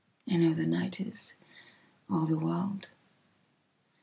I know the night is … all the world.